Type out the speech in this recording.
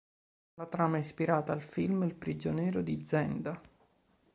La trama è ispirata al film "Il prigioniero di Zenda".